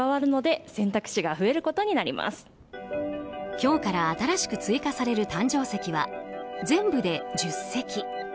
今日から新しく追加される誕生石は、全部で１０石。